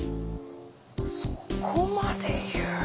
そこまで言う。